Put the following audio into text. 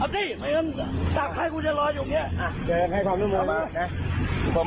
เอาสิไม่งั้นจ้างใครกูจะรออยู่เนี่ยอ่ะเชื่อให้ความรู้มือมากนะ